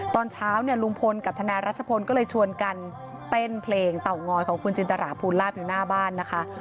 ตอนเช้าเนี่ยลุงพลกับทนายรัชพลก็เลยชวนกันเต้นเพลงเต่างอยของคุณจินตราภูลาภอยู่หน้าบ้านนะคะ